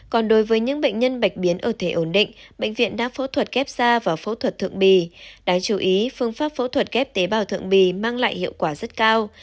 còn đối với những bệnh nhân bạch biến ở thể ổn định bệnh viện đã phẫu thuật ghép da và phẫu thuật thượng bì đáng chú ý phương pháp phẫu thuật ghép tế bào thượng bì mang lại hiệu quả rất cao